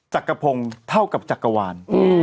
จักรพงศ์เท่ากับจักรวาล